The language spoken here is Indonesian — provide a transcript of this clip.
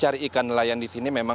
jadi ini adalah hal yang sangat penting